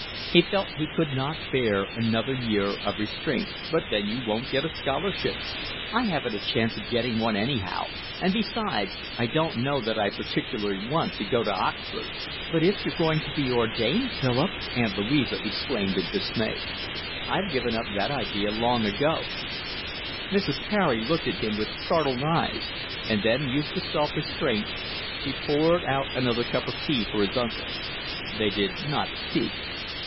He felt he could not bear another year of restraint. "But then you wouldn't get a scholarship." "I haven't a chance of getting one anyhow. And besides, I don't know that I particularly want to go to Oxford." "But if you're going to be ordained, Philip?" Aunt Louisa exclaimed in dismay. "I've given up that idea long ago." Mrs. Carey looked at him with startled eyes, and then, used to self restraint, she poured out another cup of tea for his uncle. They did not speak.